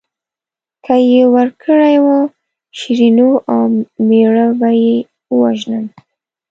که یې ورکړې وه شیرینو او مېړه به یې ووژنم.